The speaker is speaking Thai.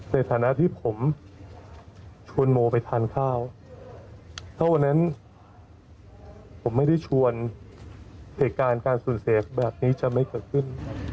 ในฐานะที่ผมชวนโมไปทานข้าวเท่านั้นผมไม่ได้ชวนเหตุการณ์การสูญเสียแบบนี้จะไม่เกิดขึ้น